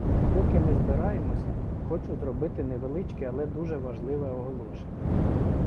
Поки ми збираємося, хочу зробити невеличке, але дуже важливе оголошення.